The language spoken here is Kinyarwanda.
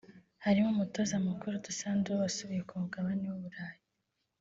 harimo umutoza mukuru Dusan Dule wasubiye ku mugabane w’u Burayi